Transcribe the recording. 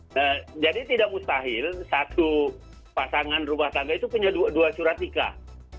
nah jadi tidak mustahil satu pasangan rumah tangga itu punya dua surat nikah